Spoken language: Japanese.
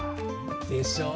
でしょ？